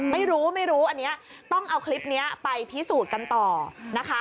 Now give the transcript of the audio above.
ไม่รู้ไม่รู้อันนี้ต้องเอาคลิปนี้ไปพิสูจน์กันต่อนะคะ